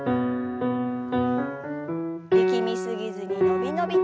力み過ぎずに伸び伸びと。